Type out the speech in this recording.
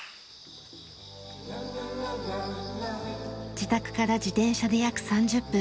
自宅から自転車で約３０分。